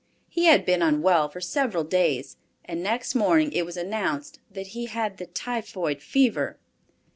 He had been unwell for several days, and next morning it was announced that he had the typhoid fever.